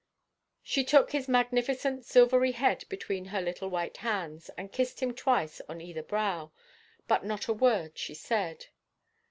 She took his magnificent silvery head between her little white hands, and kissed him twice on either brow, but not a word she said.